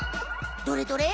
どれどれ？